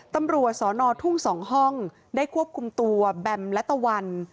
ตำรวจสอนอทุ่ง๒ห้องได้ควบคุมตัวแบมและตะวัน